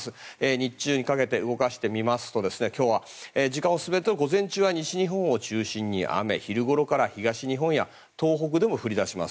日中にかけて動かしてみますと今日は、時間を進めると午前中は西日本を中心に雨昼ごろから東日本や東北でも降り出します。